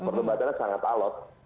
perdebatannya sangat alat